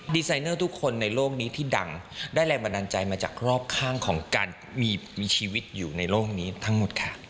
ไซเนอร์ทุกคนในโลกนี้ที่ดังได้แรงบันดาลใจมาจากรอบข้างของการมีชีวิตอยู่ในโลกนี้ทั้งหมดค่ะ